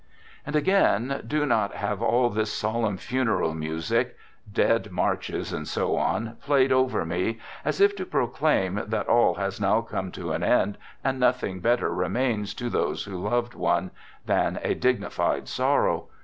And again, do not have all this solemn funeral music, Dead Marches, and so on, played over me as if to proclaim that all has now come to an end, and nothing better remains to those who loved one than a dignified sorrow.